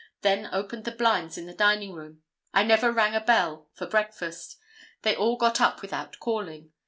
Then opened the blinds in the dining room. I never rang a bell for breakfast. They all got up without calling.